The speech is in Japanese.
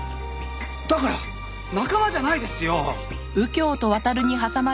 だから仲間じゃないですよ！